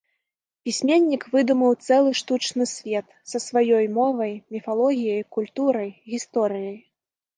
Пісьменнік выдумаў цэлы штучны свет, са сваёй мовай, міфалогіяй, культурай, гісторыяй.